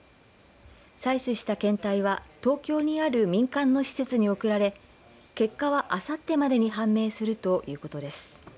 採取した検体は東京にある民間の施設に送られ結果はあさってまでに判明するということです。